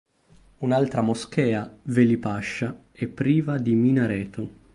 Un'altra moschea, Veli Pasha, è priva di minareto.